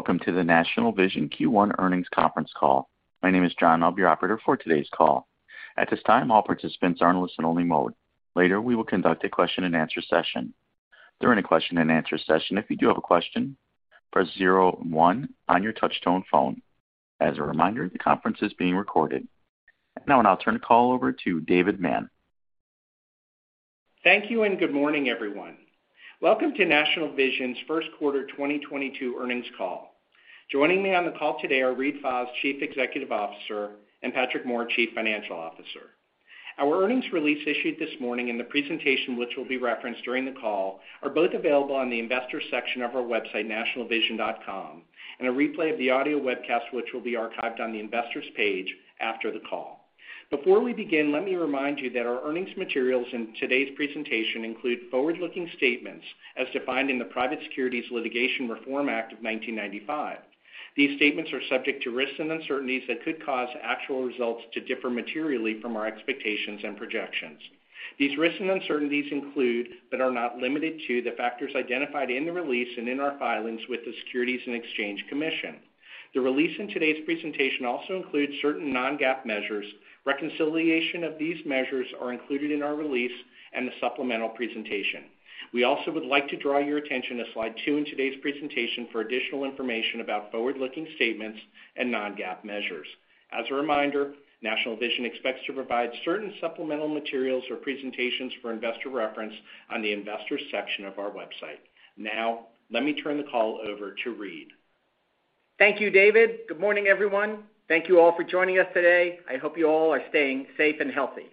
Welcome to the National Vision Q1 earnings conference call. My name is John, I'll be your operator for today's call. At this time, all participants are in listen only mode. Later, we will conduct a question and answer session. During the question and answer session, if you do have a question, press zero one on your touch-tone phone. As a reminder, the conference is being recorded. Now I'll turn the call over to David Mann. Thank you, and good morning, everyone. Welcome to National Vision's first quarter 2022 earnings call. Joining me on the call today are Reade Fahs, Chief Executive Officer, and Patrick Moore, Chief Financial Officer. Our earnings release, issued this morning, and the presentation, which will be referenced during the call, are both available on the investor section of our website, nationalvision.com, and a replay of the audio webcast which will be archived on the investor's page after the call. Before we begin, let me remind you that our earnings materials in today's presentation include forward-looking statements as defined in the Private Securities Litigation Reform Act of 1995. These statements are subject to risks and uncertainties that could cause actual results to differ materially from our expectations and projections. These risks and uncertainties include, but are not limited to, the factors identified in the release and in our filings with the Securities and Exchange Commission. The release in today's presentation also includes certain non-GAAP measures. Reconciliation of these measures are included in our release and the supplemental presentation. We also would like to draw your attention to slide two in today's presentation for additional information about forward-looking statements and non-GAAP measures. As a reminder, National Vision expects to provide certain supplemental materials or presentations for investor reference on the investor section of our website. Now, let me turn the call over to Reade. Thank you, David. Good morning, everyone. Thank you all for joining us today. I hope you all are staying safe and healthy.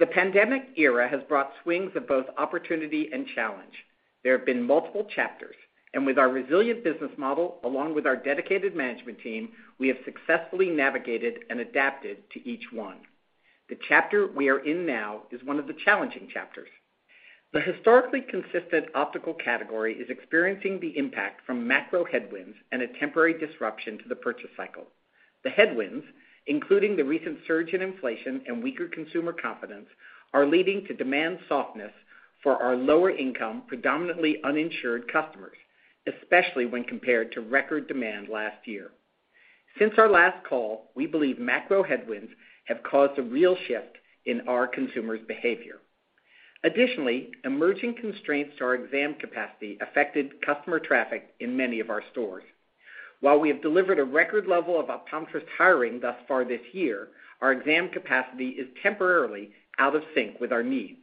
The pandemic era has brought swings of both opportunity and challenge. There have been multiple chapters, and with our resilient business model, along with our dedicated management team, we have successfully navigated and adapted to each one. The chapter we are in now is one of the challenging chapters. The historically consistent optical category is experiencing the impact from macro headwinds and a temporary disruption to the purchase cycle. The headwinds, including the recent surge in inflation and weaker consumer confidence, are leading to demand softness for our lower income, predominantly uninsured customers, especially when compared to record demand last year. Since our last call, we believe macro headwinds have caused a real shift in our consumers' behavior. Additionally, emerging constraints to our exam capacity affected customer traffic in many of our stores. While we have delivered a record level of optometrist hiring thus far this year, our exam capacity is temporarily out of sync with our needs.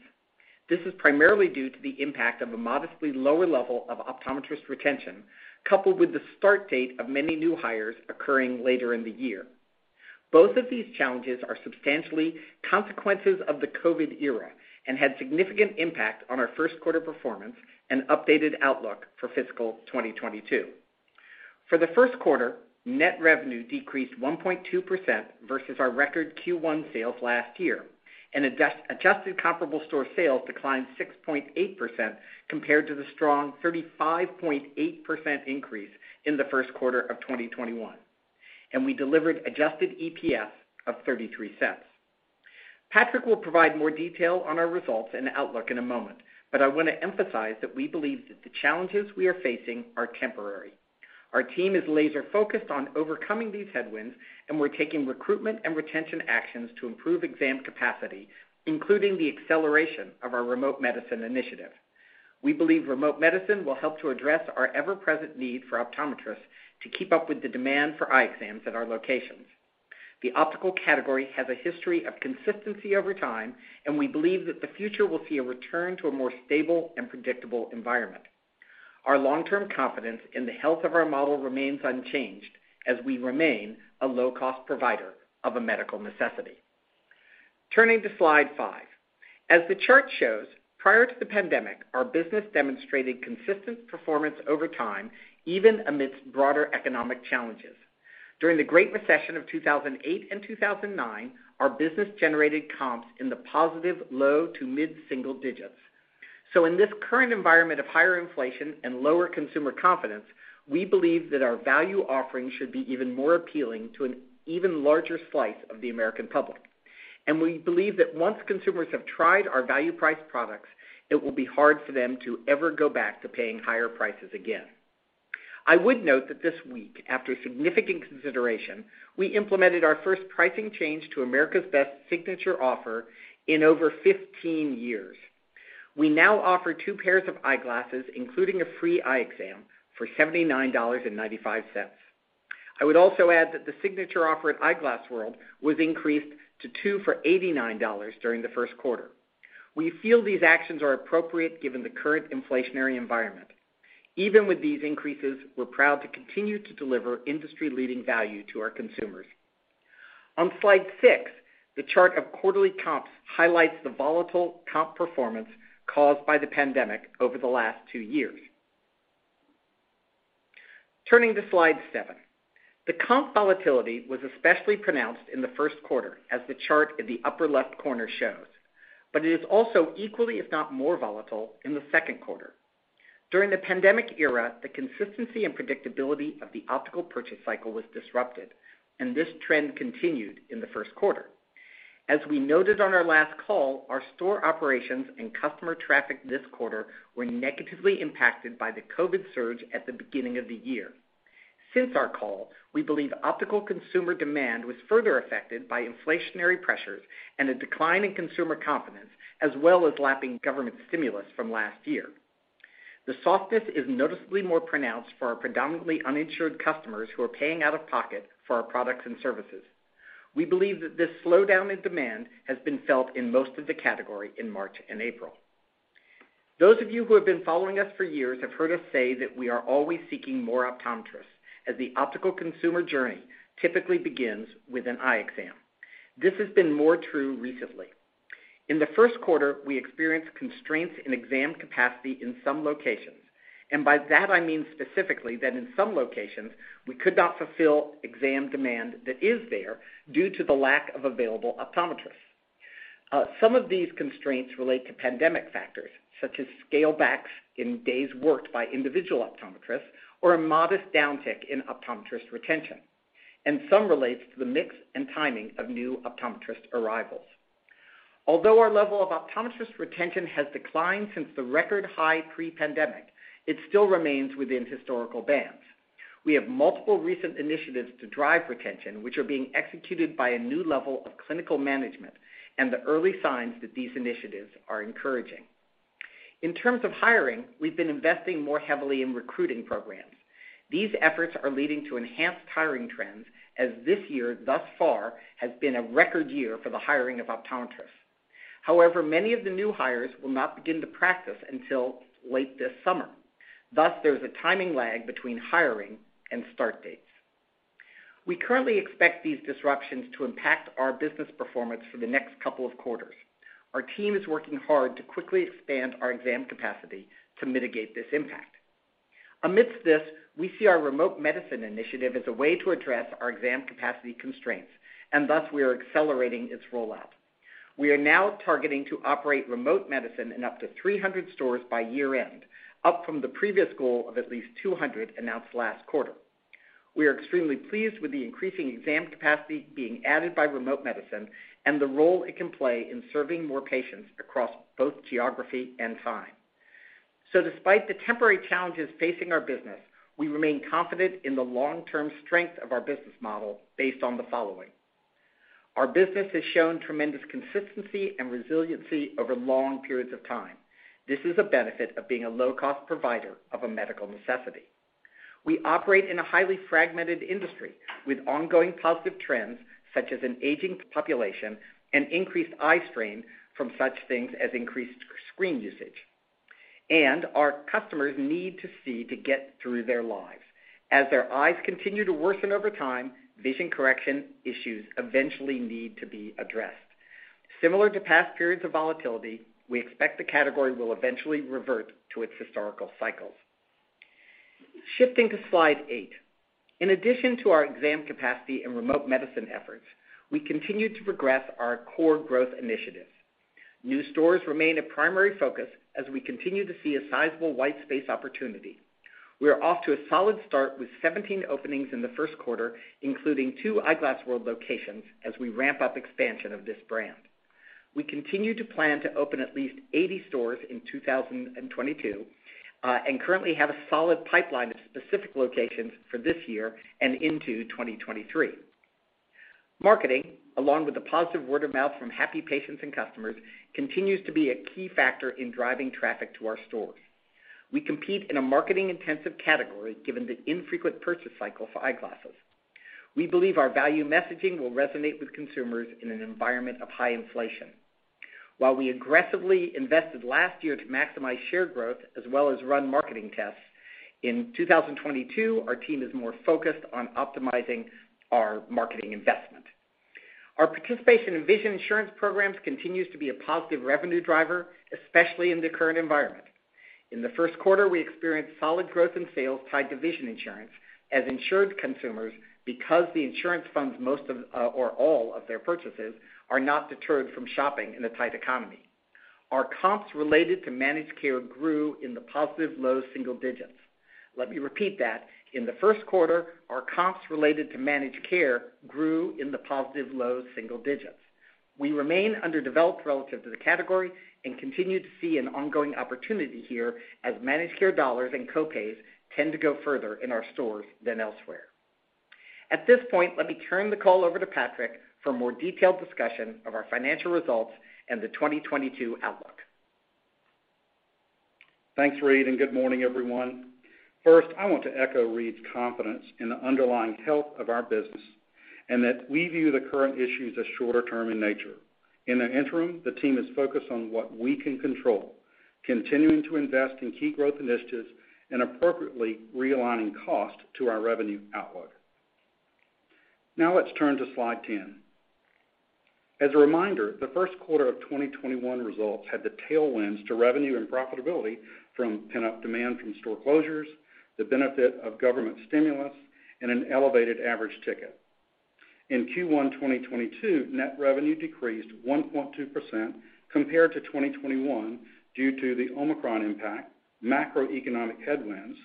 This is primarily due to the impact of a modestly lower level of optometrist retention, coupled with the start date of many new hires occurring later in the year. Both of these challenges are substantially consequences of the COVID era and had significant impact on our first quarter performance and updated outlook for fiscal 2022. For the first quarter, net revenue decreased 1.2% versus our record Q1 sales last year. Adjusted comparable store sales declined 6.8% compared to the strong 35.8% increase in the first quarter of 2021. We delivered adjusted EPS of $0.33. Patrick will provide more detail on our results and outlook in a moment, but I wanna emphasize that we believe that the challenges we are facing are temporary. Our team is laser-focused on overcoming these headwinds, and we're taking recruitment and retention actions to improve exam capacity, including the acceleration of our remote medicine initiative. We believe remote medicine will help to address our ever-present need for optometrists to keep up with the demand for eye exams at our locations. The optical category has a history of consistency over time, and we believe that the future will see a return to a more stable and predictable environment. Our long-term confidence in the health of our model remains unchanged as we remain a low-cost provider of a medical necessity. Turning to slide five. As the chart shows, prior to the pandemic, our business demonstrated consistent performance over time, even amidst broader economic challenges. During the Great Recession of 2008 and 2009, our business generated comps in the positive low to mid-single digits. In this current environment of higher inflation and lower consumer confidence, we believe that our value offering should be even more appealing to an even larger slice of the American public. We believe that once consumers have tried our value price products, it will be hard for them to ever go back to paying higher prices again. I would note that this week, after significant consideration, we implemented our first pricing change to America's Best signature offer in over 15 years. We now offer two pairs of eyeglasses, including a free eye exam, for $79.95. I would also add that the signature offer at Eyeglass World was increased to two for $89 during the first quarter. We feel these actions are appropriate given the current inflationary environment. Even with these increases, we're proud to continue to deliver industry-leading value to our consumers. On slide six, the chart of quarterly comps highlights the volatile comp performance caused by the pandemic over the last two years. Turning to slide seven. The comp volatility was especially pronounced in the first quarter, as the chart in the upper left corner shows, but it is also equally, if not more volatile in the second quarter. During the pandemic era, the consistency and predictability of the optical purchase cycle was disrupted, and this trend continued in the first quarter. As we noted on our last call, our store operations and customer traffic this quarter were negatively impacted by the COVID surge at the beginning of the year. Since our call, we believe optical consumer demand was further affected by inflationary pressures and a decline in consumer confidence, as well as lapping government stimulus from last year. The softness is noticeably more pronounced for our predominantly uninsured customers who are paying out-of-pocket for our products and services. We believe that this slowdown in demand has been felt in most of the category in March and April. Those of you who have been following us for years have heard us say that we are always seeking more optometrists, as the optical consumer journey typically begins with an eye exam. This has been more true recently. In the first quarter, we experienced constraints in exam capacity in some locations, and by that I mean specifically that in some locations we could not fulfill exam demand that is there due to the lack of available optometrists. Some of these constraints relate to pandemic factors, such as scale backs in days worked by individual optometrists or a modest downtick in optometrist retention, and some relates to the mix and timing of new optometrist arrivals. Although our level of optometrist retention has declined since the record high pre-pandemic, it still remains within historical bands. We have multiple recent initiatives to drive retention, which are being executed by a new level of clinical management and the early signs that these initiatives are encouraging. In terms of hiring, we've been investing more heavily in recruiting programs. These efforts are leading to enhanced hiring trends as this year thus far has been a record year for the hiring of optometrists. However, many of the new hires will not begin to practice until late this summer. Thus, there's a timing lag between hiring and start dates. We currently expect these disruptions to impact our business performance for the next couple of quarters. Our team is working hard to quickly expand our exam capacity to mitigate this impact. Amidst this, we see our remote medicine initiative as a way to address our exam capacity constraints, and thus we are accelerating its rollout. We are now targeting to operate remote medicine in up to 300 stores by year-end, up from the previous goal of at least 200 announced last quarter. We are extremely pleased with the increasing exam capacity being added by remote medicine and the role it can play in serving more patients across both geography and time. Despite the temporary challenges facing our business, we remain confident in the long-term strength of our business model based on the following. Our business has shown tremendous consistency and resiliency over long periods of time. This is a benefit of being a low-cost provider of a medical necessity. We operate in a highly fragmented industry with ongoing positive trends, such as an aging population and increased eye strain from such things as increased screen usage. Our customers need to see to get through their lives. As their eyes continue to worsen over time, vision correction issues eventually need to be addressed. Similar to past periods of volatility, we expect the category will eventually revert to its historical cycles. Shifting to slide eight. In addition to our exam capacity and remote medicine efforts, we continue to progress our core growth initiatives. New stores remain a primary focus as we continue to see a sizable white space opportunity. We are off to a solid start with 17 openings in the first quarter, including two Eyeglass World locations as we ramp up expansion of this brand. We continue to plan to open at least 80 stores in 2022, and currently have a solid pipeline of specific locations for this year and into 2023. Marketing, along with the positive word of mouth from happy patients and customers, continues to be a key factor in driving traffic to our stores. We compete in a marketing-intensive category, given the infrequent purchase cycle for eyeglasses. We believe our value messaging will resonate with consumers in an environment of high inflation. While we aggressively invested last year to maximize share growth as well as run marketing tests, in 2022, our team is more focused on optimizing our marketing investment. Our participation in vision insurance programs continues to be a positive revenue driver, especially in the current environment. In the first quarter, we experienced solid growth in sales tied to vision insurance as insured consumers, because the insurance funds most of or all of their purchases, are not deterred from shopping in a tight economy. Our comps related to managed care grew in the positive low double digits. Let me repeat that. In the first quarter, our comps related to managed care grew in the positive low double digits. We remain underdeveloped relative to the category and continue to see an ongoing opportunity here as managed care dollars and co-pays tend to go further in our stores than elsewhere. At this point, let me turn the call over to Patrick for a more detailed discussion of our financial results and the 2022 outlook. Thanks, Reade, and good morning, everyone. First, I want to echo Reade's confidence in the underlying health of our business, and that we view the current issues as shorter term in nature. In the interim, the team is focused on what we can control, continuing to invest in key growth initiatives and appropriately realigning cost to our revenue outlook. Now let's turn to slide 10. As a reminder, the first quarter of 2021 results had the tailwinds to revenue and profitability from pent-up demand from store closures, the benefit of government stimulus, and an elevated average ticket. In Q1 2022, net revenue decreased 1.2% compared to 2021 due to the Omicron impact, macroeconomic headwinds,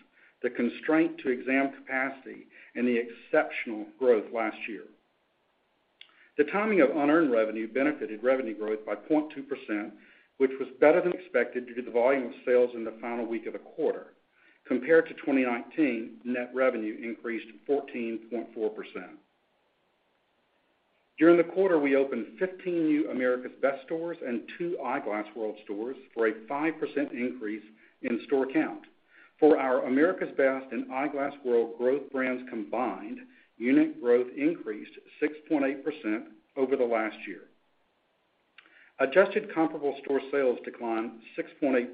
the constraint to exam capacity and the exceptional growth last year. The timing of unearned revenue benefited revenue growth by 0.2%, which was better than expected due to the volume of sales in the final week of the quarter. Compared to 2019, net revenue increased 14.4%. During the quarter, we opened 15 new America's Best stores and 2 Eyeglass World stores for a 5% increase in store count. For our America's Best and Eyeglass World growth brands combined, unit growth increased 6.8% over the last year. Adjusted comparable store sales declined 6.8%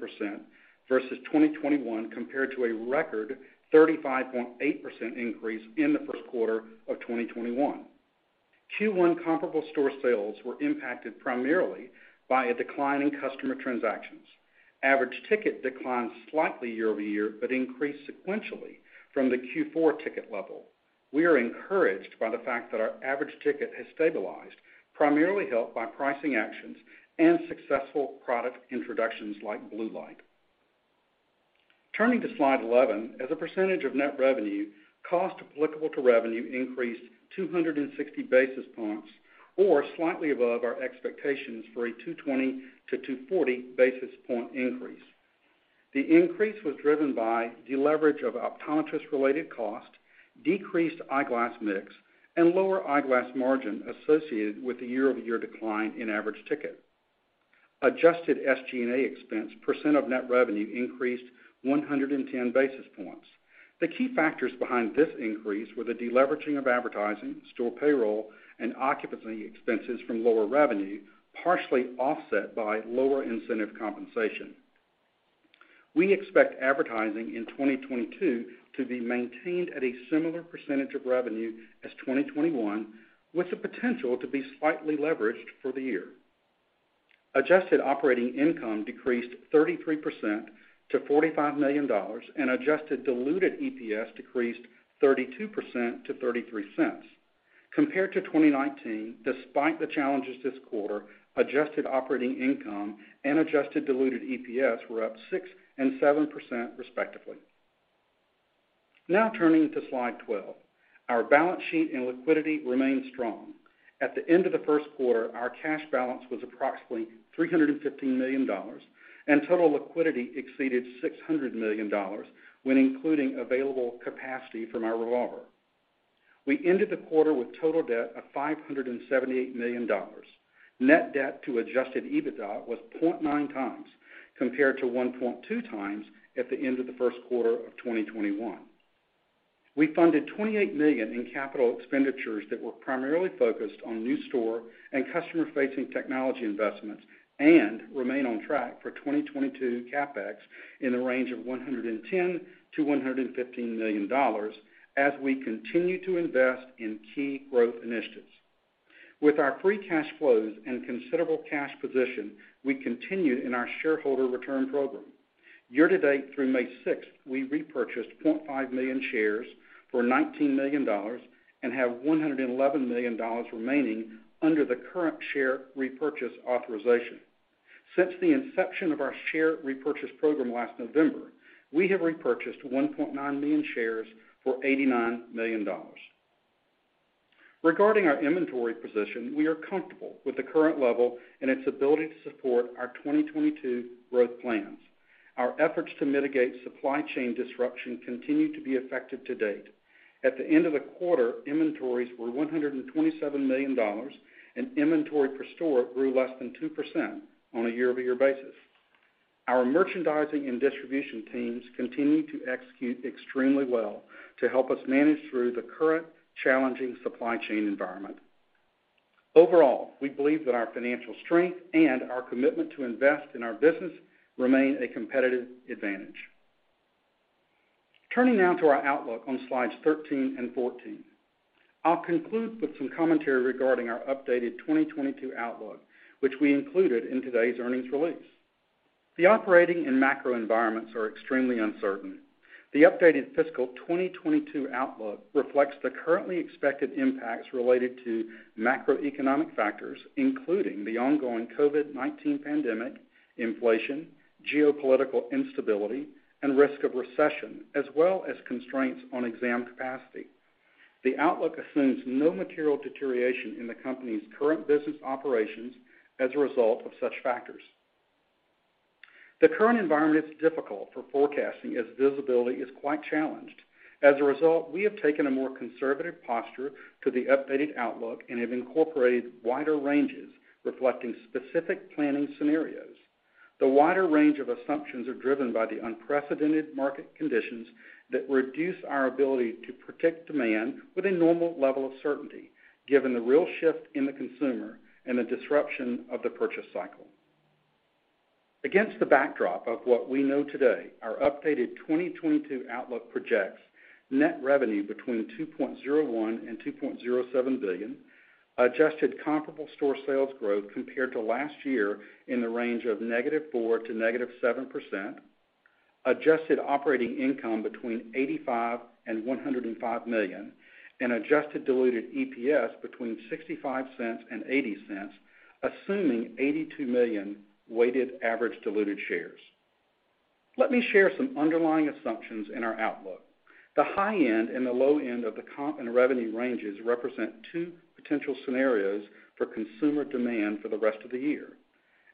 versus 2021 compared to a record 35.8% increase in the first quarter of 2021. Q1 comparable store sales were impacted primarily by a decline in customer transactions. Average ticket declined slightly year over year, but increased sequentially from the Q4 ticket level. We are encouraged by the fact that our average ticket has stabilized, primarily helped by pricing actions and successful product introductions like blue light. Turning to slide 11, as a percentage of net revenue, cost applicable to revenue increased 260 basis points or slightly above our expectations for a 220-240 basis point increase. The increase was driven by deleverage of optometrist-related costs, decreased eyeglass mix, and lower eyeglass margin associated with the year-over-year decline in average ticket. Adjusted SG&A expense percent of net revenue increased 110 basis points. The key factors behind this increase were the deleveraging of advertising, store payroll, and occupancy expenses from lower revenue, partially offset by lower incentive compensation. We expect advertising in 2022 to be maintained at a similar percentage of revenue as 2021, with the potential to be slightly leveraged for the year. Adjusted operating income decreased 33% to $45 million, and adjusted diluted EPS decreased 32% to $0.33. Compared to 2019, despite the challenges this quarter, adjusted operating income and adjusted diluted EPS were up 6% and 7% respectively. Now turning to slide 12. Our balance sheet and liquidity remain strong. At the end of the first quarter, our cash balance was approximately $315 million, and total liquidity exceeded $600 million when including available capacity from our revolver. We ended the quarter with total debt of $578 million. Net debt to adjusted EBITDA was 0.9x compared to 1.2x at the end of the first quarter of 2021. We funded $28 million in capital expenditures that were primarily focused on new store and customer-facing technology investments and remain on track for 2022 CapEx in the range of $110 million-$115 million as we continue to invest in key growth initiatives. With our free cash flows and considerable cash position, we continue in our shareholder return program. Year-to-date through May 6, we repurchased 0.5 million shares for $19 million and have $111 million remaining under the current share repurchase authorization. Since the inception of our share repurchase program last November, we have repurchased 1.9 million shares for $89 million. Regarding our inventory position, we are comfortable with the current level and its ability to support our 2022 growth plans. Our efforts to mitigate supply chain disruption continue to be affected to date. At the end of the quarter, inventories were $127 million, and inventory per store grew less than 2% on a year-over-year basis. Our merchandising and distribution teams continue to execute extremely well to help us manage through the current challenging supply chain environment. Overall, we believe that our financial strength and our commitment to invest in our business remain a competitive advantage. Turning now to our outlook on slides 13 and 14. I'll conclude with some commentary regarding our updated 2022 outlook, which we included in today's earnings release. The operating and macro environments are extremely uncertain. The updated fiscal 2022 outlook reflects the currently expected impacts related to macroeconomic factors, including the ongoing COVID-19 pandemic, inflation, geopolitical instability, and risk of recession, as well as constraints on exam capacity. The outlook assumes no material deterioration in the company's current business operations as a result of such factors. The current environment is difficult for forecasting as visibility is quite challenged. As a result, we have taken a more conservative posture to the updated outlook and have incorporated wider ranges reflecting specific planning scenarios. The wider range of assumptions are driven by the unprecedented market conditions that reduce our ability to predict demand with a normal level of certainty, given the real shift in the consumer and the disruption of the purchase cycle. Against the backdrop of what we know today, our updated 2022 outlook projects net revenue between $2.01 billion and $2.07 billion, adjusted comparable store sales growth compared to last year in the range of -4% to -7%, adjusted operating income between $85 million and $105 million, and adjusted diluted EPS between $0.65 and $0.80, assuming 82 million weighted average diluted shares. Let me share some underlying assumptions in our outlook. The high end and the low end of the comp and revenue ranges represent two potential scenarios for consumer demand for the rest of the year.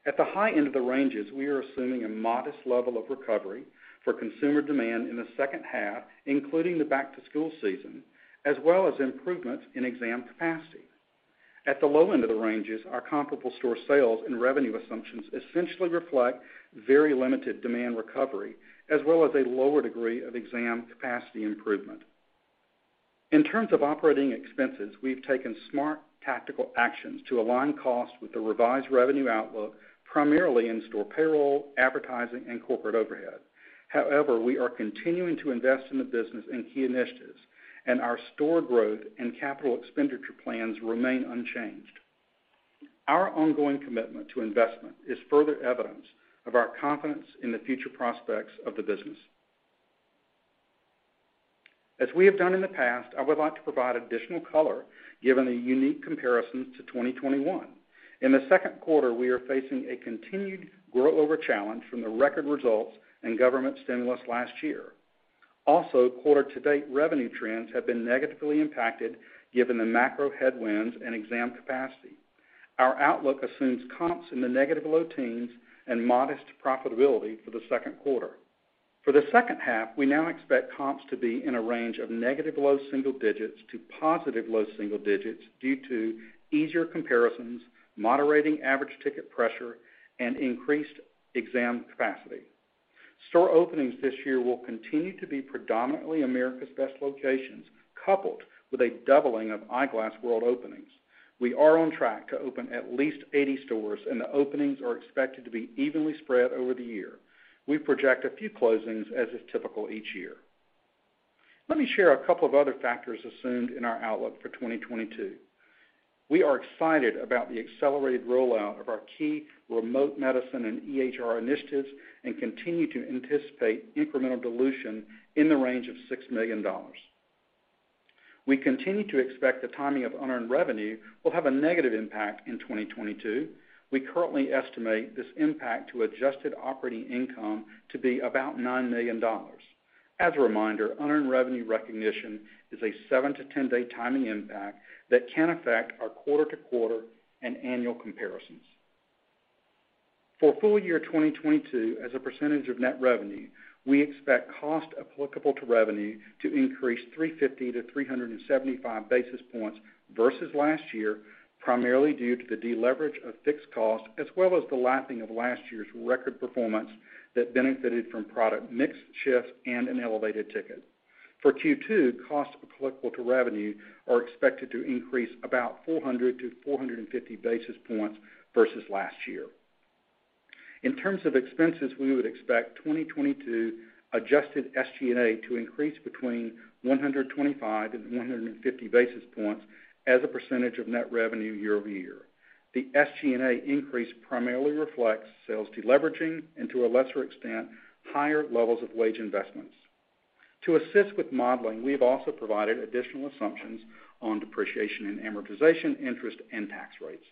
At the high end of the ranges, we are assuming a modest level of recovery for consumer demand in the second half, including the back-to-school season, as well as improvements in exam capacity. At the low end of the ranges, our comparable store sales and revenue assumptions essentially reflect very limited demand recovery, as well as a lower degree of exam capacity improvement. In terms of operating expenses, we've taken smart tactical actions to align costs with the revised revenue outlook, primarily in store payroll, advertising, and corporate overhead. However, we are continuing to invest in the business and key initiatives, and our store growth and capital expenditure plans remain unchanged. Our ongoing commitment to investment is further evidence of our confidence in the future prospects of the business. As we have done in the past, I would like to provide additional color given the unique comparisons to 2021. In the second quarter, we are facing a continued year-over-year challenge from the record results and government stimulus last year. Quarter-to-date revenue trends have been negatively impacted given the macro headwinds and exam capacity. Our outlook assumes comps in the negative low teens and modest profitability for the second quarter. For the second half, we now expect comps to be in a range of negative low single digits to positive low single digits due to easier comparisons, moderating average ticket pressure, and increased exam capacity. Store openings this year will continue to be predominantly America's Best locations, coupled with a doubling of Eyeglass World openings. We are on track to open at least 80 stores, and the openings are expected to be evenly spread over the year. We project a few closings as is typical each year. Let me share a couple of other factors assumed in our outlook for 2022. We are excited about the accelerated rollout of our key remote medicine and EHR initiatives and continue to anticipate incremental dilution in the range of $6 million. We continue to expect the timing of unearned revenue will have a negative impact in 2022. We currently estimate this impact to adjusted operating income to be about $9 million. As a reminder, unearned revenue recognition is a 7- to 10-day timing impact that can affect our quarter to quarter and annual comparisons. For full year 2022 as a percentage of net revenue, we expect cost applicable to revenue to increase 350- to 375 basis points versus last year, primarily due to the deleverage of fixed costs as well as the lapping of last year's record performance that benefited from product mix shift and an elevated ticket. For Q2, costs applicable to revenue are expected to increase about 400-450 basis points versus last year. In terms of expenses, we would expect 2022 adjusted SG&A to increase between 125-150 basis points as a percentage of net revenue year-over-year. The SG&A increase primarily reflects sales deleveraging and, to a lesser extent, higher levels of wage investments. To assist with modeling, we have also provided additional assumptions on depreciation and amortization, interest, and tax rates.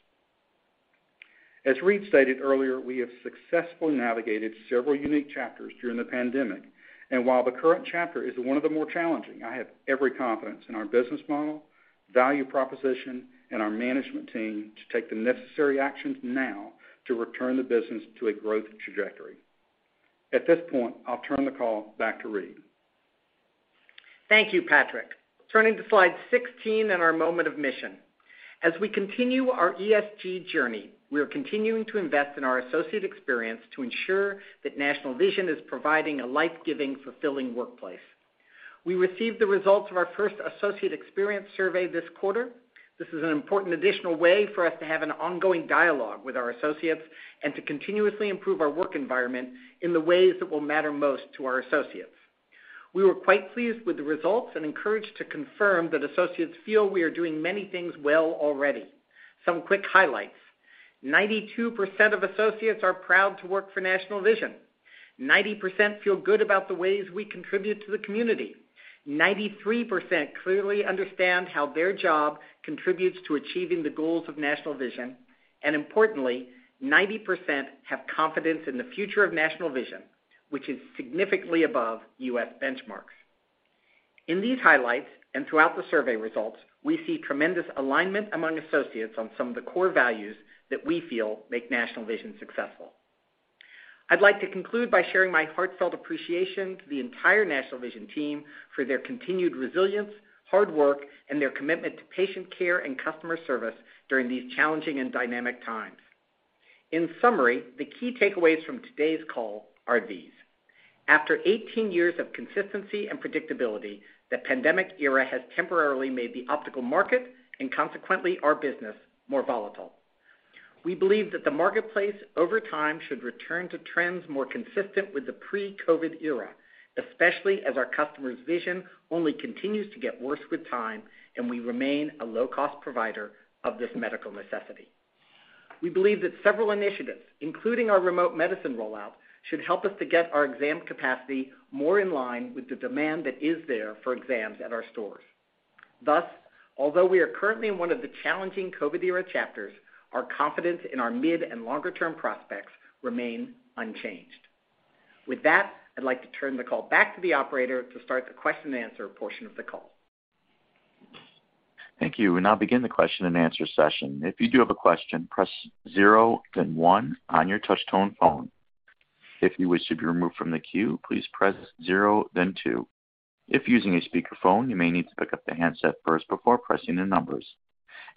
As Reade stated earlier, we have successfully navigated several unique chapters during the pandemic. While the current chapter is one of the more challenging, I have every confidence in our business model, value proposition, and our management team to take the necessary actions now to return the business to a growth trajectory. At this point, I'll turn the call back to Reade. Thank you, Patrick. Turning to slide 16 and our moment of mission. As we continue our ESG journey, we are continuing to invest in our associate experience to ensure that National Vision is providing a life-giving, fulfilling workplace. We received the results of our first associate experience survey this quarter. This is an important additional way for us to have an ongoing dialogue with our associates and to continuously improve our work environment in the ways that will matter most to our associates. We were quite pleased with the results and encouraged to confirm that associates feel we are doing many things well already. Some quick highlights. 92% of associates are proud to work for National Vision. 90% feel good about the ways we contribute to the community. 93% clearly understand how their job contributes to achieving the goals of National Vision. Importantly, 90% have confidence in the future of National Vision, which is significantly above U.S. benchmarks. In these highlights and throughout the survey results, we see tremendous alignment among associates on some of the core values that we feel make National Vision successful. I'd like to conclude by sharing my heartfelt appreciation to the entire National Vision team for their continued resilience, hard work, and their commitment to patient care and customer service during these challenging and dynamic times. In summary, the key takeaways from today's call are these. After 18 years of consistency and predictability, the pandemic era has temporarily made the optical market, and consequently our business, more volatile. We believe that the marketplace over time should return to trends more consistent with the pre-COVID era, especially as our customers' vision only continues to get worse with time and we remain a low-cost provider of this medical necessity. We believe that several initiatives, including our remote medicine rollout, should help us to get our exam capacity more in line with the demand that is there for exams at our stores. Thus, although we are currently in one of the challenging COVID-era chapters, our confidence in our mid- and longer-term prospects remain unchanged. With that, I'd like to turn the call back to the operator to start the question-and-answer portion of the call. Thank you. We'll now begin the question-and-answer session. If you do have a question, press zero then one on your touch-tone phone. If you wish to be removed from the queue, please press zero then two. If using a speakerphone, you may need to pick up the handset first before pressing the numbers.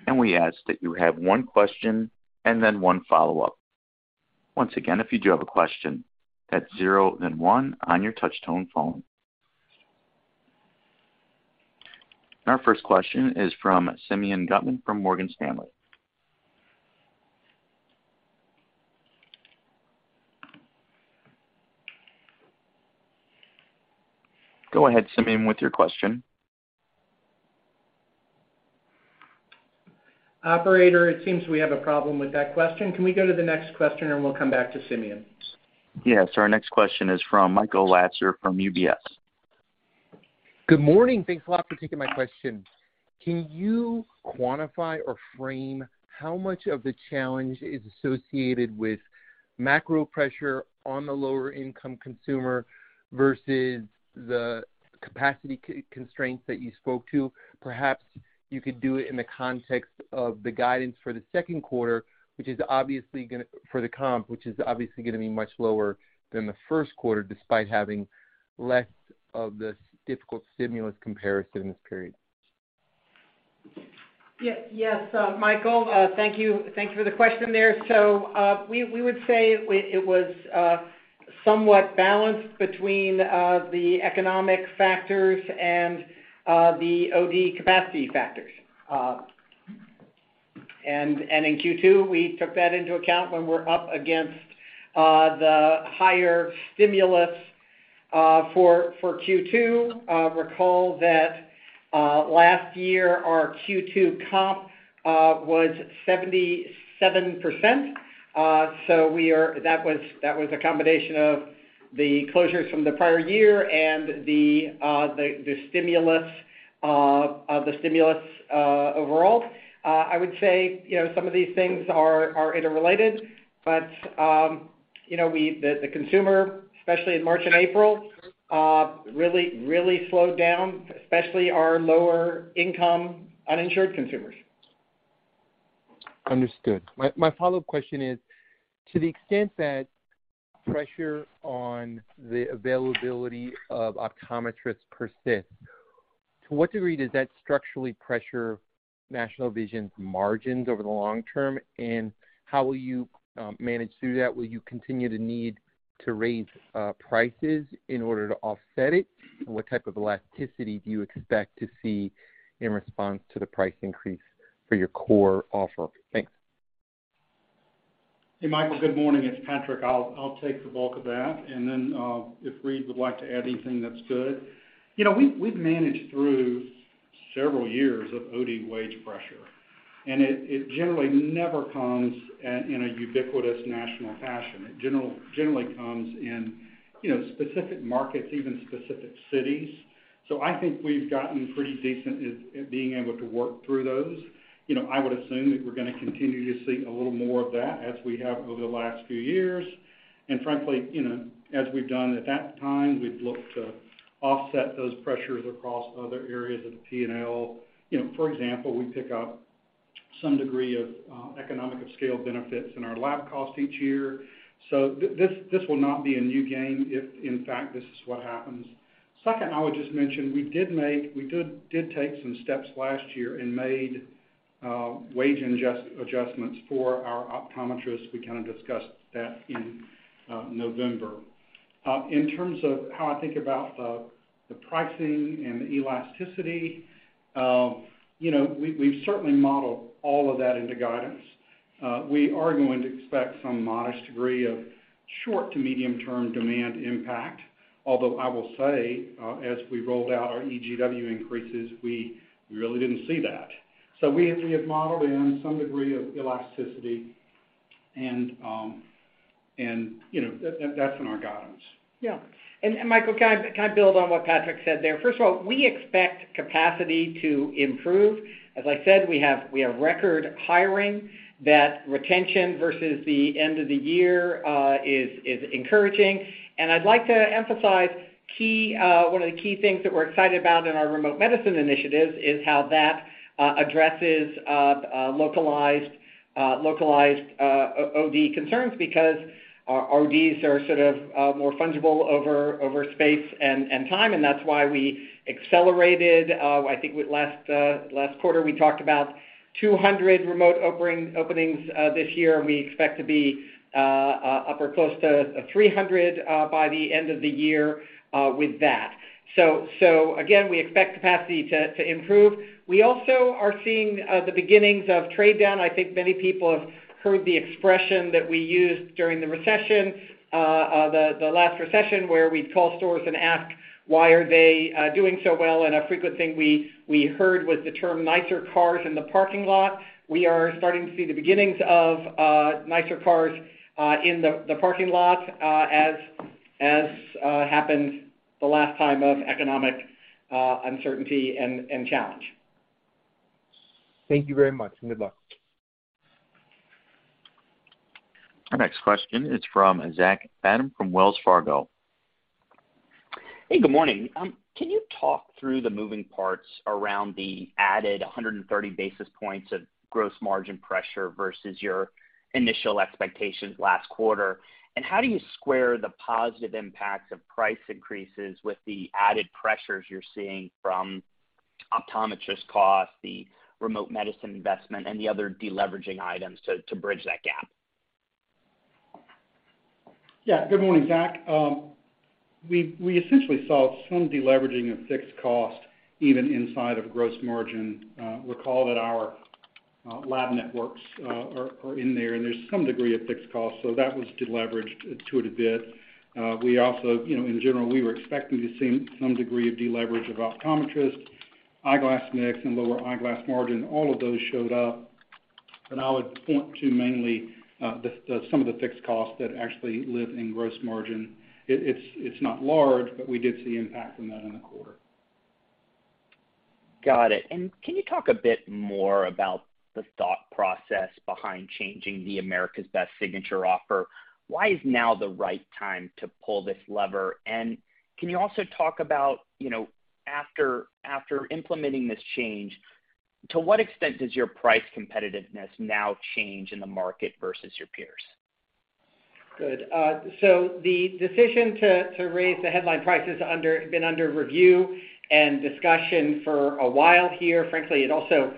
We ask that you have one question and then one follow-up. Once again, if you do have a question, that's zero then one on your touch-tone phone. Our first question is from Simeon Gutman from Morgan Stanley. Go ahead, Simeon, with your question. Operator, it seems we have a problem with that question. Can we go to the next question, and we'll come back to Simeon? Yes. Our next question is from Michael Lasser from UBS. Good morning. Thanks a lot for taking my question. Can you quantify or frame how much of the challenge is associated with macro pressure on the lower-income consumer versus the capacity constraints that you spoke to? Perhaps you could do it in the context of the guidance for the second quarter, for the comp, which is obviously gonna be much lower than the first quarter despite having less of the difficult stimulus comparison in this period. Yes, Michael. Thank you. Thank you for the question there. We would say it was somewhat balanced between the economic factors and the OD capacity factors. In Q2, we took that into account when we're up against the higher stimulus for Q2. Recall that last year, our Q2 comp was 77%. That was a combination of the closures from the prior year and the stimulus overall. I would say, you know, some of these things are interrelated, but you know, the consumer, especially in March and April, really slowed down, especially our lower-income uninsured consumers. Understood. My follow-up question is, to the extent that pressure on the availability of optometrists persists, to what degree does that structurally pressure National Vision's margins over the long term, and how will you manage through that? Will you continue to need to raise prices in order to offset it? What type of elasticity do you expect to see in response to the price increase for your core offer? Thanks. Hey, Michael. Good morning. It's Patrick. I'll take the bulk of that, and then, if Reade would like to add anything, that's good. You know, we've managed through several years of OD wage pressure, and it generally never comes in a ubiquitous national fashion. It generally comes in, you know, specific markets, even specific cities. I think we've gotten pretty decent at being able to work through those. You know, I would assume that we're gonna continue to see a little more of that as we have over the last few years. Frankly, you know, as we've done at that time, we've looked to offset those pressures across other areas of the P&L. You know, for example, we pick up some degree of economies of scale benefits in our lab cost each year. This will not be a new game if in fact this is what happens. Second, I would just mention we did take some steps last year and made wage adjustments for our optometrists. We kind of discussed that in November. In terms of how I think about the pricing and the elasticity, you know, we've certainly modeled all of that into guidance. We are going to expect some modest degree of short to medium-term demand impact. Although I will say, as we rolled out our EGW increases, we really didn't see that. We have modeled in some degree of elasticity and, you know, that's in our guidance. Yeah. Michael, can I build on what Patrick said there? First of all, we expect capacity to improve. As I said, we have record hiring. That retention versus the end of the year is encouraging. I'd like to emphasize one of the key things that we're excited about in our remote medicine initiatives is how that addresses localized OD concerns because our ODs are sort of more fungible over space and time. That's why we accelerated. I think in last quarter, we talked about 200 remote openings this year, and we expect to be up or close to 300 by the end of the year with that. Again, we expect capacity to improve. We also are seeing the beginnings of trade down. I think many people have heard the expression that we used during the recession, the last recession, where we'd call stores and ask, why are they doing so well? A frequent thing we heard was the term nicer cars in the parking lot. We are starting to see the beginnings of nicer cars in the parking lot, as happened the last time of economic uncertainty and challenge. Thank you very much, and good luck. Our next question is from Zach Fadem from Wells Fargo. Hey, good morning. Can you talk through the moving parts around the added 130 basis points of gross margin pressure versus your initial expectations last quarter? How do you square the positive impacts of price increases with the added pressures you're seeing from optometrists costs, the remote medicine investment, and the other de-leveraging items to bridge that gap? Yeah. Good morning, Zach. We essentially saw some de-leveraging of fixed cost even inside of gross margin. Recall that our lab networks are in there, and there's some degree of fixed cost, so that was deleveraged to it a bit. We also, you know, in general, were expecting to see some degree of de-leverage of optometrists, eyeglass mix, and lower eyeglass margin. All of those showed up. I would point to mainly some of the fixed costs that actually live in gross margin. It's not large, but we did see impact from that in the quarter. Got it. Can you talk a bit more about the thought process behind changing the America's Best signature offer? Why is now the right time to pull this lever? Can you also talk about, you know, after implementing this change, to what extent does your price competitiveness now change in the market versus your peers? Good. The decision to raise the headline price has been under review and discussion for a while here. Frankly, it also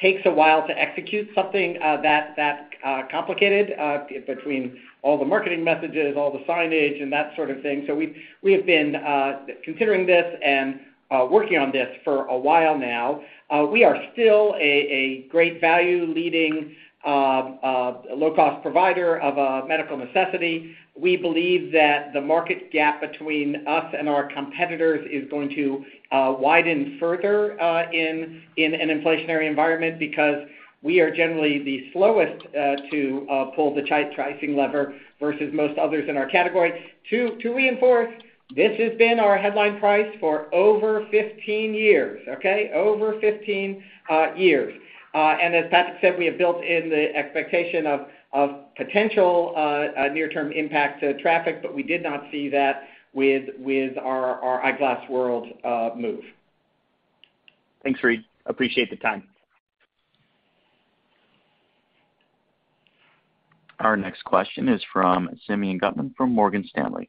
takes a while to execute something that complicated between all the marketing messages, all the signage, and that sort of thing. We've been considering this and working on this for a while now. We are still a great value leading low-cost provider of a medical necessity. We believe that the market gap between us and our competitors is going to widen further in an inflationary environment because we are generally the slowest to pull the pricing lever versus most others in our category. To reinforce, this has been our headline price for over 15 years, okay? Over 15 years. As Patrick said, we have built in the expectation of potential a near-term impact to traffic, but we did not see that with our Eyeglass World move. Thanks, Reade. Appreciate the time. Our next question is from Simeon Gutman from Morgan Stanley.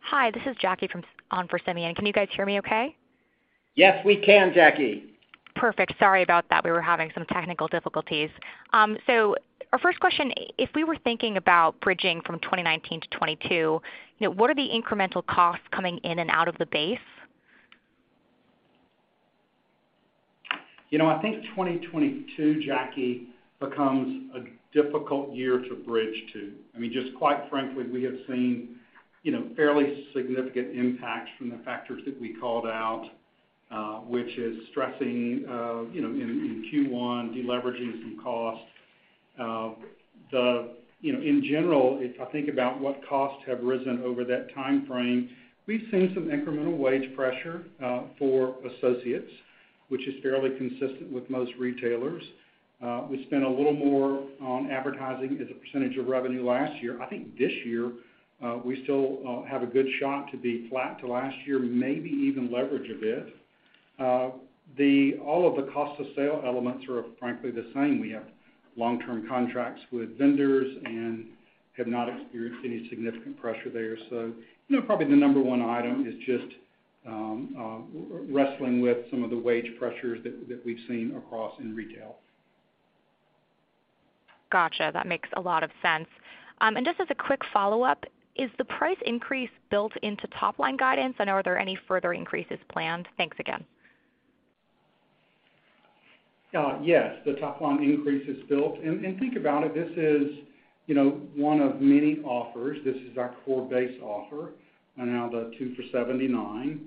Hi, this is Jackie on for Simeon. Can you guys hear me okay? Yes, we can, Jackie. Perfect. Sorry about that. We were having some technical difficulties. Our first question, if we were thinking about bridging from 2019 to 2022, you know, what are the incremental costs coming in and out of the base? You know, I think 2022, Jackie, becomes a difficult year to bridge to. I mean, just quite frankly, we have seen, you know, fairly significant impacts from the factors that we called out, deleveraging some costs in Q1. You know, in general, if I think about what costs have risen over that timeframe, we've seen some incremental wage pressure for associates, which is fairly consistent with most retailers. We spent a little more on advertising as a percentage of revenue last year. I think this year, we still have a good shot to be flat to last year, maybe even leverage a bit. All of the cost of sales elements are frankly the same. We have long-term contracts with vendors and have not experienced any significant pressure there. You know, probably the number one item is just wrestling with some of the wage pressures that we've seen across in retail. Gotcha. That makes a lot of sense. Just as a quick follow-up, is the price increase built into top-line guidance, and are there any further increases planned? Thanks again. Yes, the top line increase is built. Think about it, this is, you know, one of many offers. This is our core base offer, and now the 2 for $79.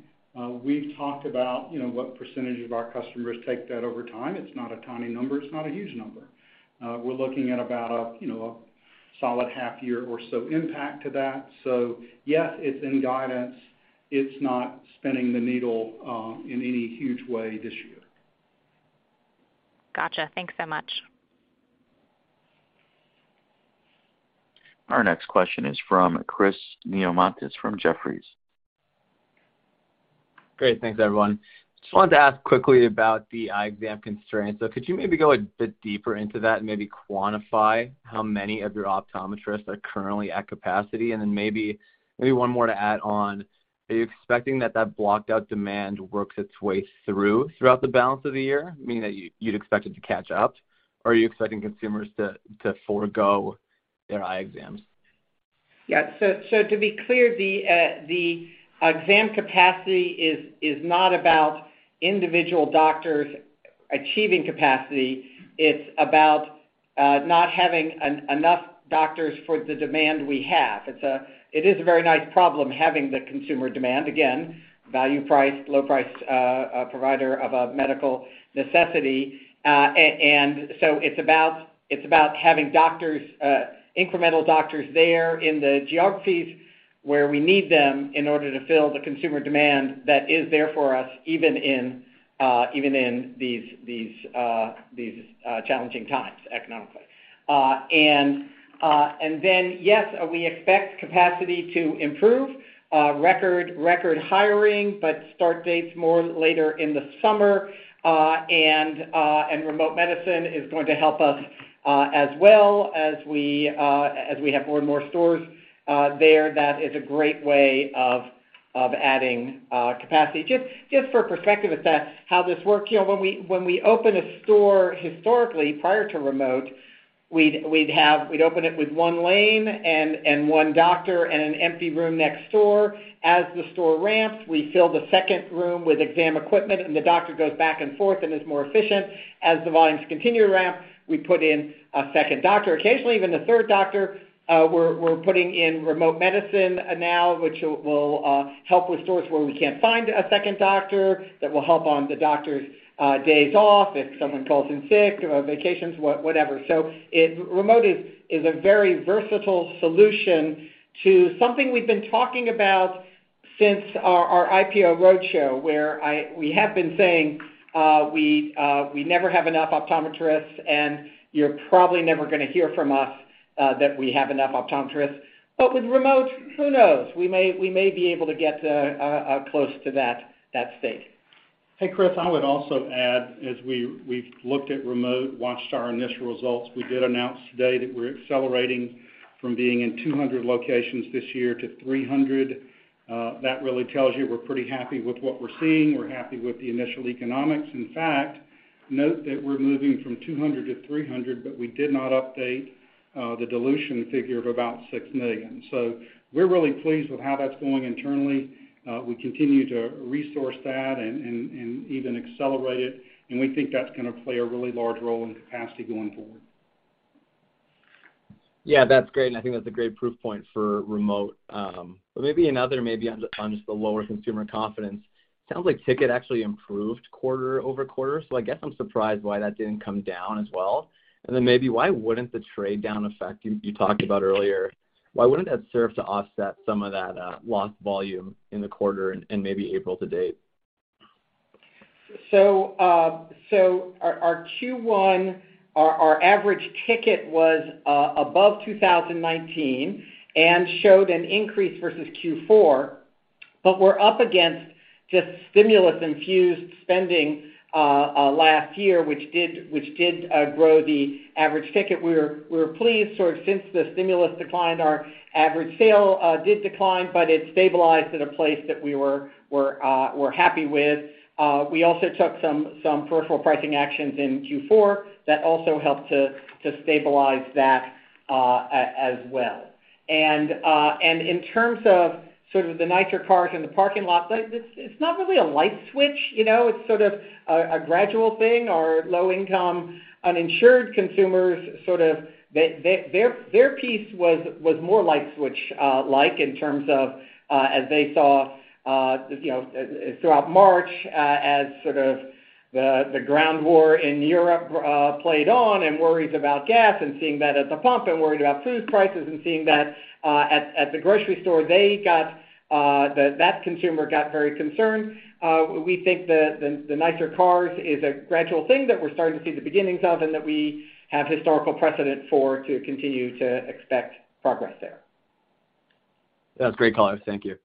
We've talked about, you know, what percentage of our customers take that over time. It's not a tiny number. It's not a huge number. We're looking at about, you know, a solid half year or so impact to that. Yes, it's in guidance. It's not moving the needle in any huge way this year. Gotcha. Thanks so much. Our next question is from Chris Neamonitis from Jefferies. Great. Thanks, everyone. Just wanted to ask quickly about the eye exam constraints. Could you maybe go a bit deeper into that and maybe quantify how many of your optometrists are currently at capacity? Maybe one more to add on. Are you expecting that blocked out demand works its way through throughout the balance of the year, meaning that you'd expect it to catch up? Are you expecting consumers to forego their eye exams? Yeah. To be clear, the exam capacity is not about individual doctors achieving capacity. It's about not having enough doctors for the demand we have. It is a very nice problem having the consumer demand, again, value-priced, low-priced provider of a medical necessity. It's about having doctors, incremental doctors there in the geographies where we need them in order to fill the consumer demand that is there for us, even in these challenging times economically. Yes, we expect capacity to improve, record hiring, but start dates more later in the summer. Remote medicine is going to help us as well as we have more and more stores there. That is a great way of adding capacity. Just for perspective, if that's how this works, you know, when we open a store historically prior to remote, we'd open it with one lane and one doctor and an empty room next door. As the store ramps, we fill the second room with exam equipment, and the doctor goes back and forth and is more efficient. As the volumes continue to ramp, we put in a second doctor, occasionally even a third doctor. We're putting in remote medicine now, which will help with stores where we can't find a second doctor. That will help on the doctor's days off if someone calls in sick or vacations, whatever. Remote is a very versatile solution to something we've been talking about since our IPO roadshow, where we have been saying we never have enough optometrists, and you're probably never gonna hear from us that we have enough optometrists. With remote, who knows? We may be able to get close to that state. Hey, Chris, I would also add, as we've looked at remote, watched our initial results. We did announce today that we're accelerating from being in 200 locations this year to 300. That really tells you we're pretty happy with what we're seeing. We're happy with the initial economics. In fact, note that we're moving from 200 to 300, but we did not update the dilution figure of about $6 million. We're really pleased with how that's going internally. We continue to resource that and even accelerate it, and we think that's gonna play a really large role in capacity going forward. Yeah, that's great, and I think that's a great proof point for remote. Maybe another on just the lower consumer confidence. Sounds like ticket actually improved quarter-over-quarter. I guess I'm surprised why that didn't come down as well. Maybe why wouldn't the trade down effect you talked about earlier serve to offset some of that lost volume in the quarter and maybe April-to-date? Our Q1 average ticket was above 2019 and showed an increase versus Q4, but we're up against just stimulus-infused spending last year, which did grow the average ticket. We're pleased, sort of since the stimulus declined, our average sale did decline, but it stabilized at a place that we were happy with. We also took some peripheral pricing actions in Q4 that also helped to stabilize that as well. In terms of sort of the nicer cars in the parking lot, like, it's not really a light switch, you know? It's sort of a gradual thing. Our low-income, uninsured consumers, sort of their piece was more light switch, like in terms of, as they saw, you know, throughout March, as sort of the ground war in Europe played on and worries about gas and seeing that at the pump and worried about food prices and seeing that at the grocery store, they got that consumer got very concerned. We think the nicer cars is a gradual thing that we're starting to see the beginnings of and that we have historical precedent for to continue to expect progress there. That's great color. Thank you.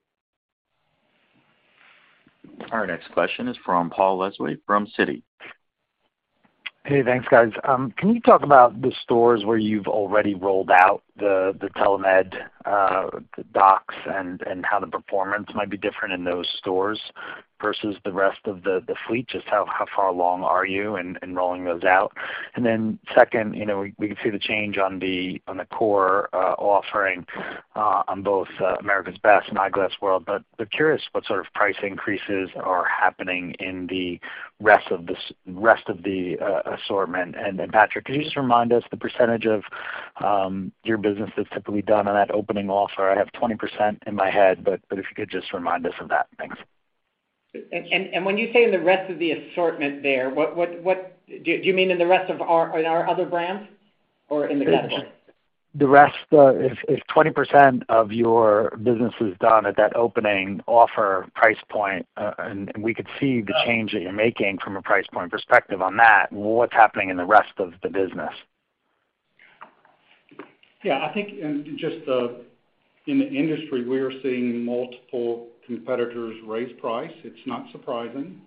Our next question is from Paul Lejuez from Citi. Hey, thanks, guys. Can you talk about the stores where you've already rolled out the telemed, the docs and how the performance might be different in those stores versus the rest of the fleet? Just how far along are you in rolling those out? Second, you know, we can see the change on the core offering on both America's Best and Eyeglass World, but I'm curious what sort of price increases are happening in the rest of the assortment. Patrick, could you just remind us the percentage of your business that's typically done on that opening offer? I have 20% in my head, but if you could just remind us of that. Thanks. When you say in the rest of the assortment there, what do you mean in our other brands or in the category? The rest, if 20% of your business is done at that opening offer price point, and we could see the change that you're making from a price point perspective on that, what's happening in the rest of the business? Yeah, I think in the industry, we are seeing multiple competitors raise price. It's not surprising.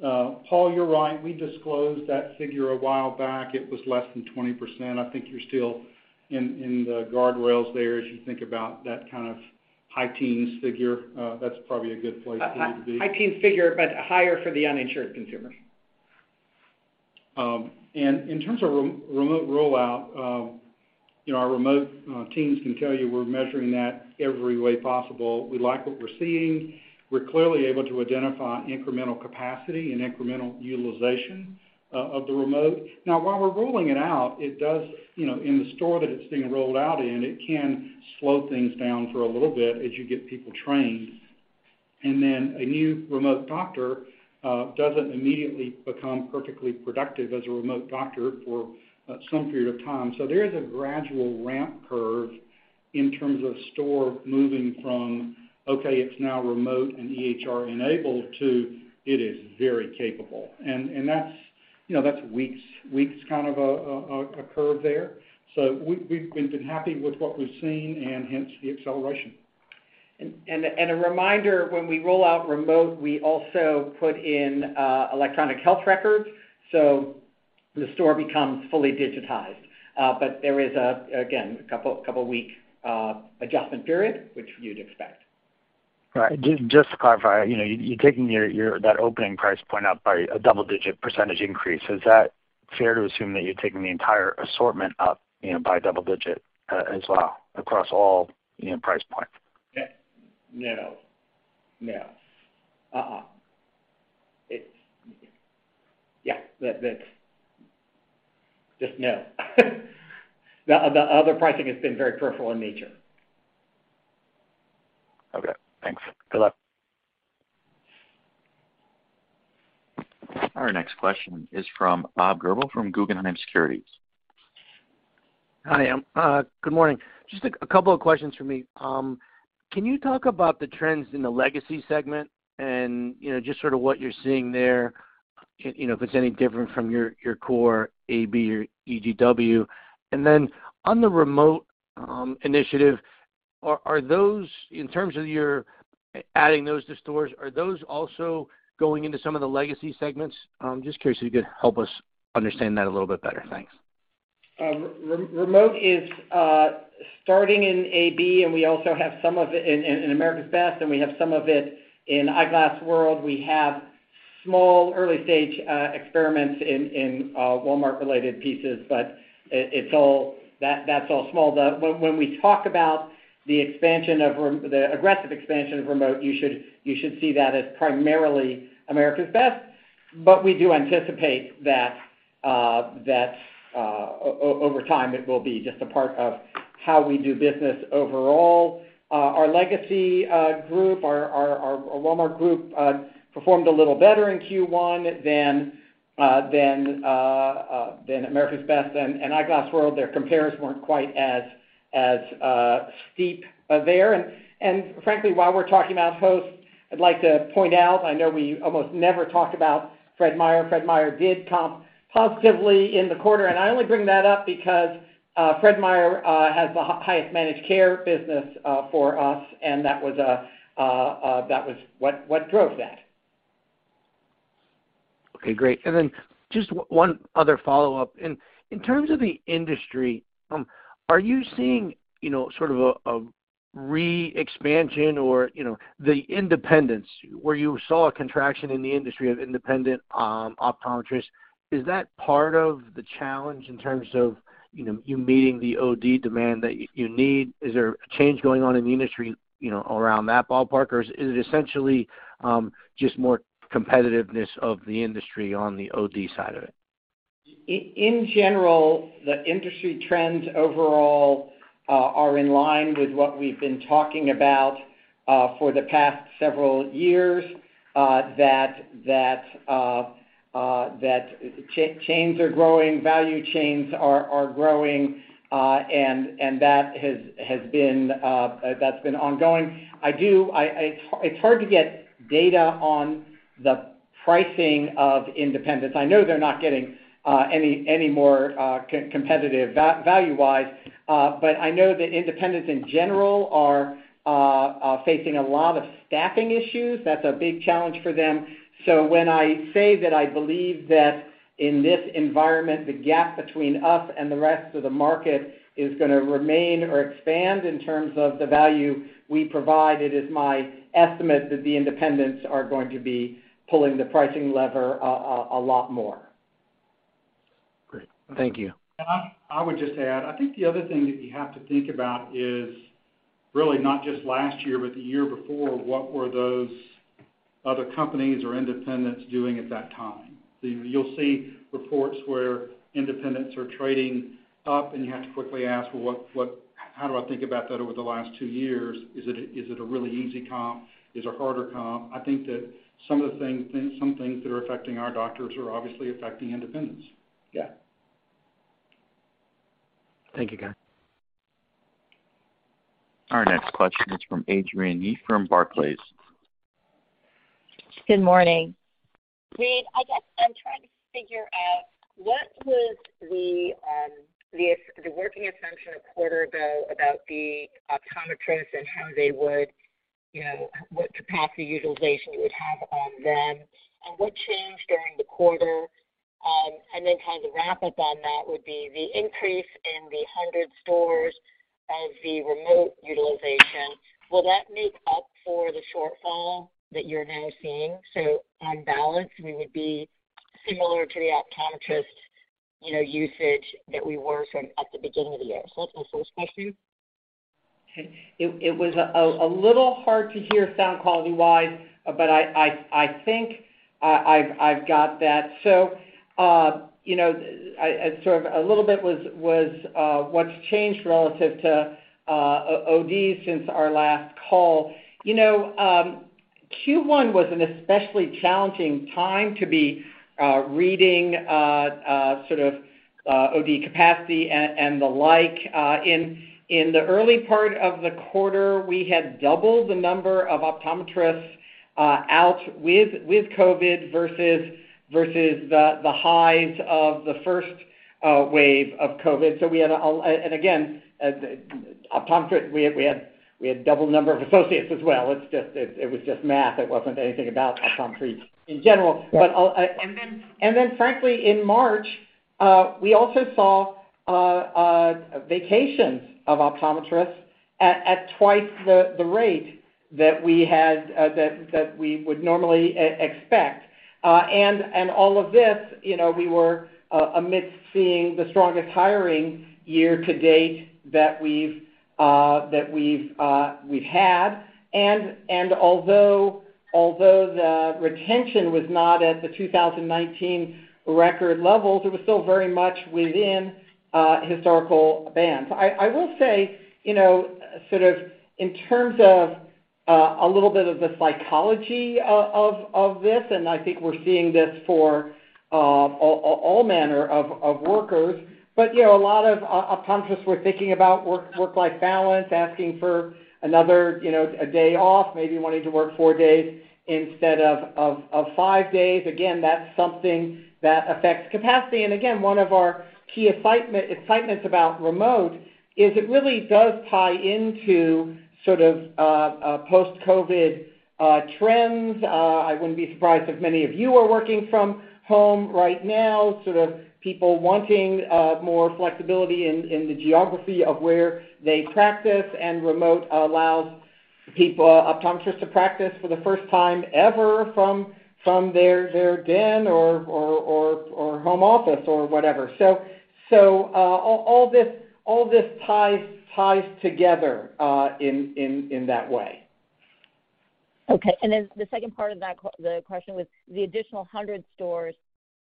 Paul, you're right. We disclosed that figure a while back. It was less than 20%. I think you're still in the guardrails there as you think about that kind of high teens figure. That's probably a good place for you to be. High-teens figure, but higher for the uninsured consumers. In terms of remote rollout, you know, our remote teams can tell you we're measuring that every way possible. We like what we're seeing. We're clearly able to identify incremental capacity and incremental utilization of the remote. Now, while we're rolling it out, it does, you know, in the store that it's being rolled out in, it can slow things down for a little bit as you get people trained. Then a new remote doctor doesn't immediately become perfectly productive as a remote doctor for some period of time. There is a gradual ramp curve in terms of store moving from, okay, it's now remote and EHR enabled to it is very capable. That's, you know, that's weeks kind of a curve there. We've been happy with what we've seen and hence the acceleration. A reminder, when we roll out remote, we also put in electronic health records, so the store becomes fully digitized. There is again a couple week adjustment period, which you'd expect. Right. Just to clarify, you know, you're taking your that opening price point up by a double-digit percentage increase. Is that fair to assume that you're taking the entire assortment up, you know, by double-digit, as well across all, you know, price points? No, no. Uh-uh. Yeah, that's just no. The other pricing has been very peripheral in nature. Okay, thanks. Good luck. Our next question is from Bob Drbul from Guggenheim Securities. Hi, good morning. Just a couple of questions from me. Can you talk about the trends in the legacy segment and, you know, just sort of what you're seeing there, you know, if it's any different from your core AB or EGW. Then on the remote initiative, are those in terms of your adding those to stores also going into some of the legacy segments? Just curious if you could help us understand that a little bit better. Thanks. Remote is starting in AB, and we also have some of it in America's Best, and we have some of it in Eyeglass World. We have small early stage experiments in Walmart-related pieces, but that's all small. When we talk about the aggressive expansion of remote, you should see that as primarily America's Best. But we do anticipate that over time, it will be just a part of how we do business overall. Our legacy group, our Walmart group, performed a little better in Q1 than America's Best and Eyeglass World. Their compares weren't quite as steep there. Frankly, while we're talking about hosts, I'd like to point out, I know we almost never talk about Fred Meyer. Fred Meyer did comp positively in the quarter. I only bring that up because Fred Meyer has the highest managed care business for us, and that was what drove that. Okay, great. Just one other follow-up. In terms of the industry, are you seeing, you know, sort of a re-expansion or, you know, the independents where you saw a contraction in the industry of independent optometrists? Is that part of the challenge in terms of, you know, you meeting the OD demand that you need? Is there a change going on in the industry, you know, around that ballpark, or is it essentially just more competitiveness of the industry on the OD side of it? In general, the industry trends overall are in line with what we've been talking about for the past several years, that chains are growing, value chains are growing, and that has been ongoing. It's hard to get data on the pricing of independents. I know they're not getting any more competitive value-wise, but I know that independents in general are facing a lot of staffing issues. That's a big challenge for them. When I say that I believe that in this environment, the gap between us and the rest of the market is gonna remain or expand in terms of the value we provide, it is my estimate that the independents are going to be pulling the pricing lever a lot more. Great. Thank you. I would just add, I think the other thing that you have to think about is really not just last year, but the year before, what were those other companies or independents doing at that time? You'll see reports where independents are trading up, and you have to quickly ask, "Well, what how do I think about that over the last two years? Is it a really easy comp? Is it a harder comp?" I think that some of the things and some things that are affecting our doctors are obviously affecting independents. Yeah. Thank you, guys. Our next question is from Adrienne Yih from Barclays. Good morning. Reade, I guess I'm trying to figure out what was the working assumption a quarter ago about the optometrists and how they would, you know, what capacity utilization it would have on them, and what changed during the quarter? Kind of the wrap-up on that would be the increase in the 100 stores of the remote utilization. Will that make up for the shortfall that you're now seeing? On balance, we would be similar to the optometrist, you know, usage that we were at the beginning of the year. That's the first question. Okay. It was a little hard to hear sound quality-wise, but I think I've got that. You know, sort of a little bit was what's changed relative to OD since our last call. You know, Q1 was an especially challenging time to be reading sort of OD capacity and the like. In the early part of the quarter, we had doubled the number of optometrists out with COVID versus the highs of the first wave of COVID. Again, as optometrists, we had double the number of associates as well. It's just math. It wasn't anything about optometrists in general. Yeah. Frankly, in March, we also saw vacations of optometrists at twice the rate that we would normally expect. All of this, you know, we were amidst seeing the strongest hiring year to date that we've had. Although the retention was not at the 2019 record levels, it was still very much within historical bands. I will say, you know, sort of in terms of a little bit of the psychology of this, and I think we're seeing this for all manner of workers. You know, a lot of optometrists were thinking about work-life balance, asking for another, you know, a day off, maybe wanting to work four days instead of five days. Again, that's something that affects capacity. Again, one of our key excitement about remote is it really does tie into sort of post-COVID trends. I wouldn't be surprised if many of you are working from home right now, sort of people wanting more flexibility in the geography of where they practice, and remote allows people, optometrists to practice for the first time ever from their den or home office or whatever. All this ties together in that way. Okay. The second part of that the question was the additional 100 stores,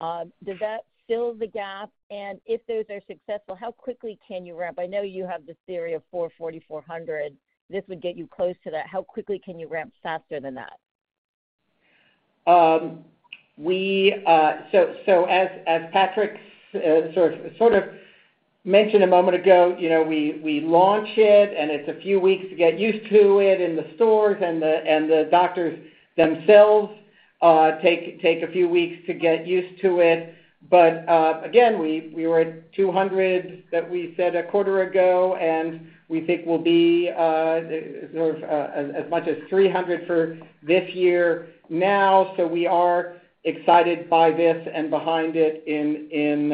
does that fill the gap? If those are successful, how quickly can you ramp? I know you have this theory of 4,400. This would get you close to that. How quickly can you ramp faster than that? As Patrick sort of mentioned a moment ago, you know, we launch it, and it's a few weeks to get used to it in the stores, and the doctors themselves take a few weeks to get used to it. Again, we were at 200 that we said a quarter ago, and we think we'll be sort of as much as 300 for this year now, so we are excited by this and behind it in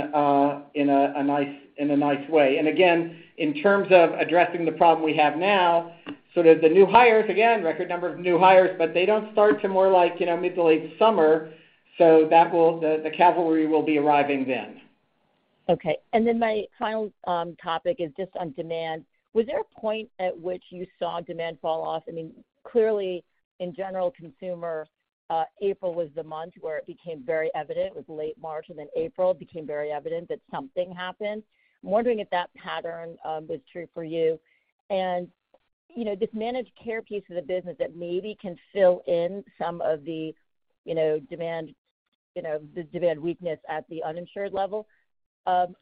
a nice way. Again, in terms of addressing the problem we have now, sort of the new hires, again, record number of new hires, but they don't start till more like, you know, mid to late summer, so that will the cavalry will be arriving then. Okay. My final topic is just on demand. Was there a point at which you saw demand fall off? I mean, clearly in general consumer, April was the month where it became very evident. It was late March, and then April became very evident that something happened. I'm wondering if that pattern was true for you. You know, this managed care piece of the business that maybe can fill in some of the, you know, demand, you know, the demand weakness at the uninsured level,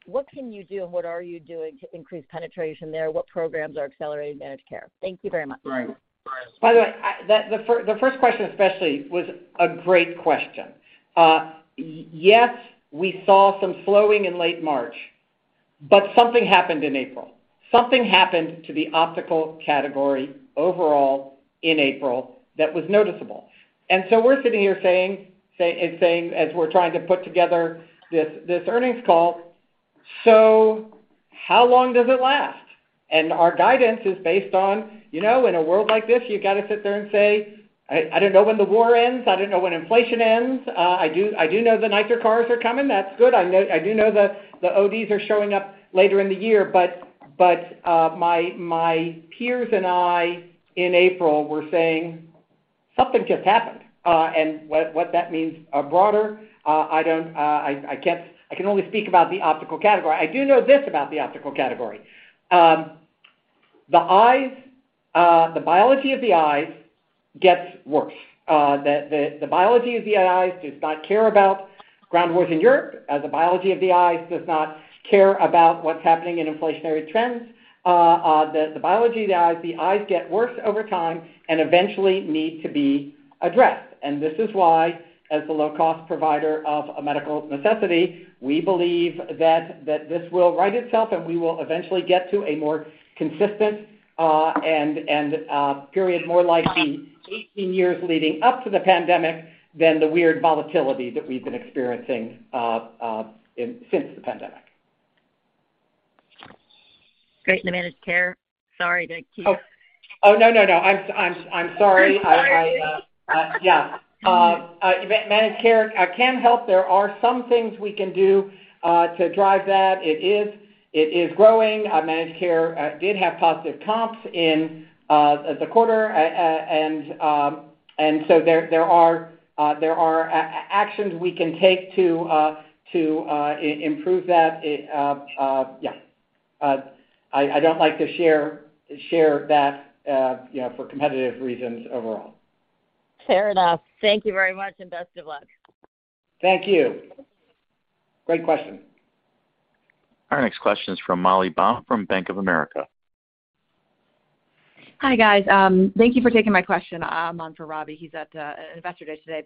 what can you do and what are you doing to increase penetration there? What programs are accelerating managed care? Thank you very much. Right. By the way, the first question especially was a great question. Yes, we saw some slowing in late March, but something happened in April. Something happened to the optical category overall in April that was noticeable. We're sitting here saying as we're trying to put together this earnings call, "So how long does it last?" Our guidance is based on, you know, in a world like this, you got to sit there and say, "I don't know when the war ends. I don't know when inflation ends. I do know the nicer cars are coming. That's good. I do know the ODs are showing up later in the year. My peers and I in April were saying, "Something just happened." What that means, broader, I can't. I can only speak about the optical category. I do know this about the optical category. The eyes, the biology of the eyes gets worse. The biology of the eyes does not care about ground wars in Europe, the biology of the eyes does not care about what's happening in inflationary trends. The biology of the eyes, the eyes get worse over time and eventually need to be addressed. This is why, as the low-cost provider of a medical necessity, we believe that this will right itself, and we will eventually get to a more consistent period more like the 18 years leading up to the pandemic than the weird volatility that we've been experiencing since the pandemic. Great. The managed care? Sorry to keep- Oh. Oh, no, no. I'm sorry. I'm sorry. Yeah. Even managed care can help. There are some things we can do to drive that. It is growing. Managed care did have positive comps in the quarter. There are actions we can take to improve that. Yeah. I don't like to share that, you know, for competitive reasons overall. Fair enough. Thank you very much, and best of luck. Thank you. Great question. Our next question is from Molly Baum from Bank of America. Hi, guys. Thank you for taking my question. I'm on for Robbie. He's at Investor Day today.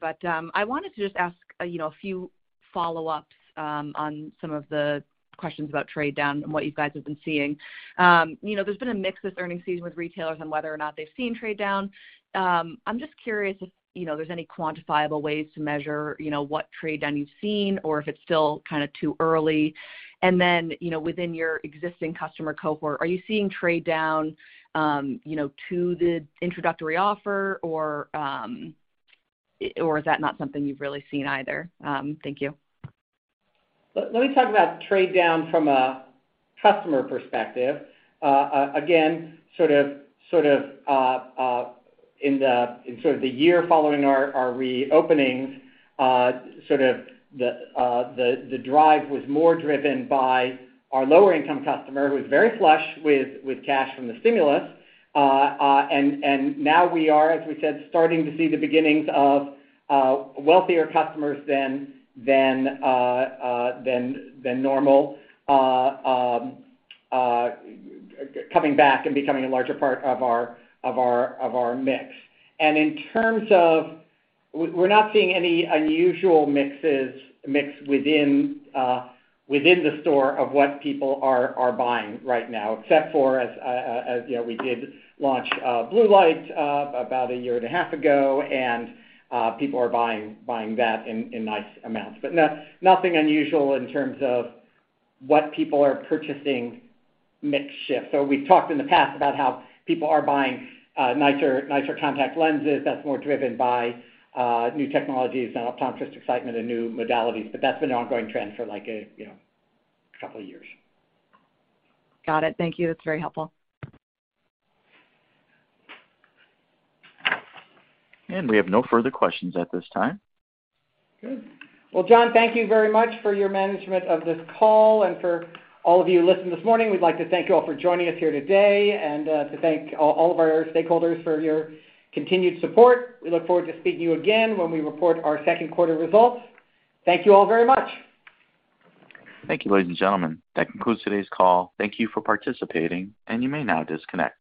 I wanted to just ask, you know, a few follow-ups on some of the questions about trade down and what you guys have been seeing. You know, there's been a mix this earnings season with retailers on whether or not they've seen trade down. I'm just curious if, you know, there's any quantifiable ways to measure, you know, what trade down you've seen or if it's still kinda too early. Then, you know, within your existing customer cohort, are you seeing trade down, you know, to the introductory offer, or is that not something you've really seen either? Thank you. Let me talk about trade down from a customer perspective. Again, sort of, in sort of the year following our reopenings, sort of the drive was more driven by our lower income customer who was very flush with cash from the stimulus. Now we are, as we said, starting to see the beginnings of wealthier customers than normal coming back and becoming a larger part of our mix. In terms of... We're not seeing any unusual mix within the store of what people are buying right now, except for, as you know, we did launch NeverBlue about a year and a half ago, and people are buying that in nice amounts. But nothing unusual in terms of what people are purchasing mix shift. We've talked in the past about how people are buying nicer contact lenses. That's more driven by new technologies and optometrist excitement and new modalities, but that's been an ongoing trend for, like, you know, couple years. Got it. Thank you. That's very helpful. We have no further questions at this time. Good. Well, John, thank you very much for your management of this call. For all of you listening this morning, we'd like to thank you all for joining us here today and to thank all of our stakeholders for your continued support. We look forward to speaking to you again when we report our second quarter results. Thank you all very much. Thank you, ladies and gentlemen. That concludes today's call. Thank you for participating, and you may now disconnect.